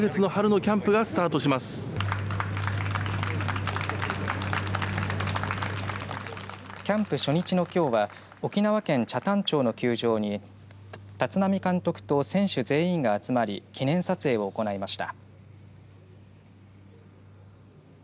キャンプ初日のきょうは沖縄県北谷町の球場に立浪監督と選手全員が集まり記念撮影を行いました。